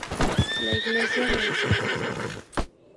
La iglesia de St.